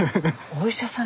お医者さん。